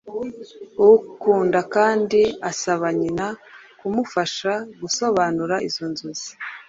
ukunda kandi asaba nyina kumufasha gusobanura izo nzozi